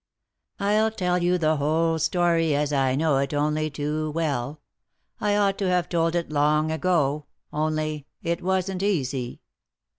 " I'll tell you the whole story, as I know it only too well ; I ought to have told it long ago, only — it wasn't easy."